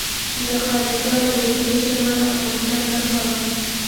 تخارستان د اوسني شمالي افغانستان برخه وه